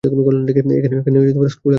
এখানে স্ক্রু লাগাতে হবে?